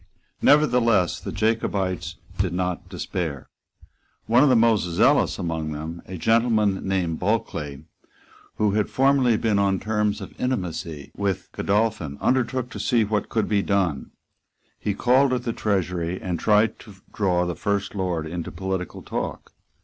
Nevertheless, the Jacobites did not despair. One of the most zealous among them, a gentleman named Bulkeley, who had formerly been on terms of intimacy with Godolphin, undertook to see what could be done. He called at the Treasury, and tried to draw the First Lord into political talk.